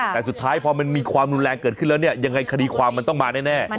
แต่สุดท้ายพอมันมีความรุนแรงเกิดขึ้นแล้วเนี่ยยังไงคดีความมันต้องมาแน่